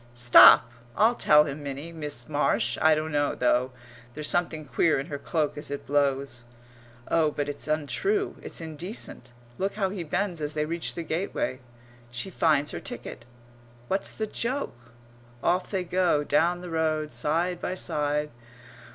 Stop! I'll tell him Minnie! Miss Marsh! I don't know though. There's something queer in her cloak as it blows. Oh, but it's untrue, it's indecent.... Look how he bends as they reach the gateway. She finds her ticket. What's the joke? Off they go, down the road, side by side....